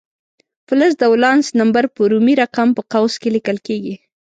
فلز د ولانس نمبر په رومي رقم په قوس کې لیکل کیږي.